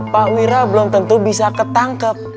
pak wira belum tentu bisa ketangkep